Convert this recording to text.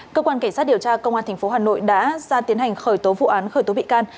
cơ quan cảnh sát điều tra công an tp hà nội đã ra tiến hành khởi tố vụ án khởi tố bị can